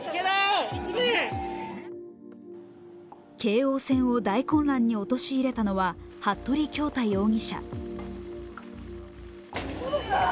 京王線を大混乱におとしいれたのは服部恭太容疑者。